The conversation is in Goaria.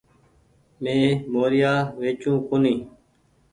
مين موريآ ويچو ڪونيٚ ۔